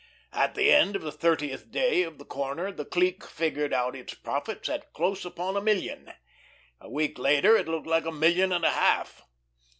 At the end of the thirtieth day of the corner the clique figured out its profits at close upon a million; a week later it looked like a million and a half.